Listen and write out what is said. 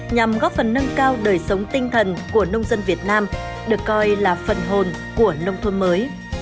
nhằm góp phần nâng cao đời sống tinh thần của nông dân việt nam được coi là phần hồn của nông thôn mới